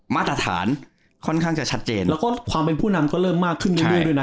มาตรฐานค่อนข้างจะชัดเจนแล้วก็ความเป็นผู้นำก็เริ่มมากขึ้นเรื่อยด้วยนะ